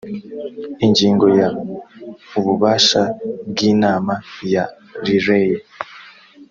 ingingo ya ububasha bw inama ya rlea